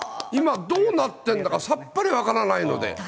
今、どうなってんだかさっぱり分からないので。